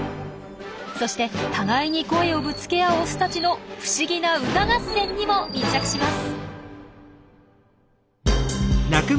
そして互いに声をぶつけ合うオスたちの不思議な歌合戦にも密着します。